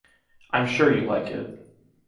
I’m sure you like it.